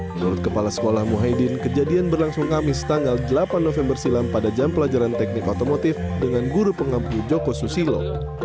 menurut kepala sekolah muhaydin kejadian berlangsung kamis tanggal delapan november silam pada jam pelajaran teknik otomotif dengan guru pengampu joko susilo